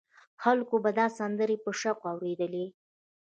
خلکو به دا سندرې په شوق اورېدلې.